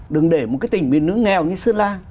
đừng để một cái tỉnh miền nước nghèo như sơn lan